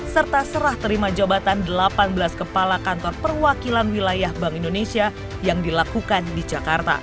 serta serah terima jabatan delapan belas kepala kantor perwakilan wilayah bank indonesia yang dilakukan di jakarta